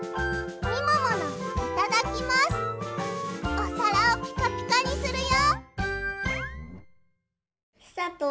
おさらをピカピカにするよ。